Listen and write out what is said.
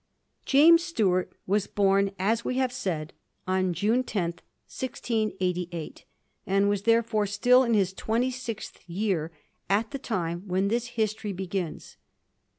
James Stuart was bom, as we have said, on June 10, 1688, and was therefore still in his twenty sixth year at the time when this history begins.